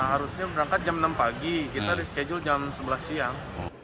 harusnya berangkat jam enam pagi kita reschedule jam sebelas siang